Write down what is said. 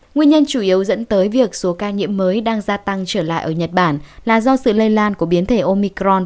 nguyên nhân chủ yếu dẫn tới việc số ca nhiễm mới đang gia tăng trở lại ở nhật bản là do sự lây lan của biến thể omicron